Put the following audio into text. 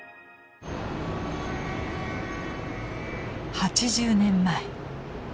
８０年前。